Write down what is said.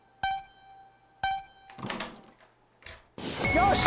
よし！